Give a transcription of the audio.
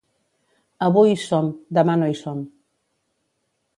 Avui hi som, demà no hi som.